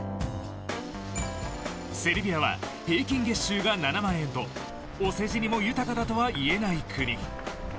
セルビアは平均月収が７万円とお世辞にも豊かだとは言えない国。